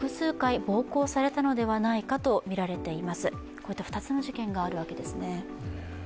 こういった２つの事件があるわけですね。